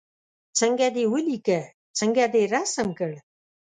څنګه دې ولیکه څنګه دې رسم کړ.